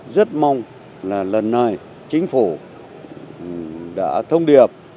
rất mong là lần này chính phủ đã thông điệp